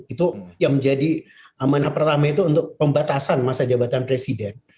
itu yang menjadi amanah pertama itu untuk pembatasan masa jabatan presiden